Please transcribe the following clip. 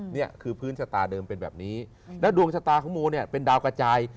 นี่คือพื้นชะตาเดิมเป็นแบบนี้แล้วดวงชะตาของโมเนี่ยเป็นดาวกระจาย